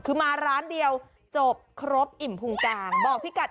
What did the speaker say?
คือมาร้านเดียวจบครบอิ่มภูมิการ